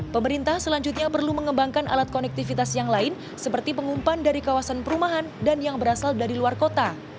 pemerintah selanjutnya perlu mengembangkan alat konektivitas yang lain seperti pengumpan dari kawasan perumahan dan yang berasal dari luar kota